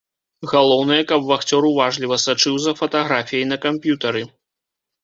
Галоўнае, каб вахцёр уважліва сачыў за фатаграфіяй на камп'ютары.